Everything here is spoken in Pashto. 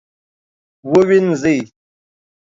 ووینځئ